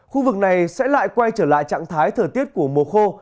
khu vực này sẽ lại quay trở lại trạng thái thời tiết của mùa khô